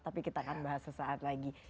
tapi kita akan bahas sesaat lagi